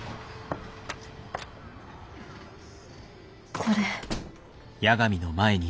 これ。